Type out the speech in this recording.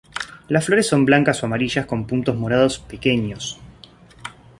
Las flores son blancas o amarillas con puntos morados pequeños.